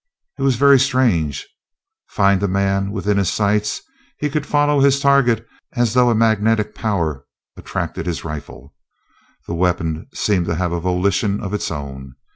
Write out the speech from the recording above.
It was very strange. Find a man with his sights? He could follow his target as though a magnetic power attracted his rifle. The weapon seemed to have a volition of its own.